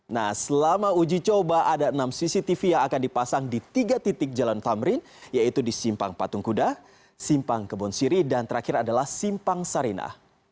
nah selama uji coba ada enam cctv yang akan dipasang di tiga titik jalan tamrin yaitu di simpang patung kuda simpang kebon siri dan terakhir adalah simpang sarina